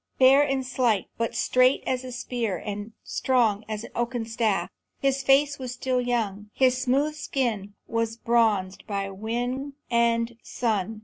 Fair and slight, but straight as a spear and strong as an oaken staff. His face was still young; the smooth skin was bronzed by wing and sun.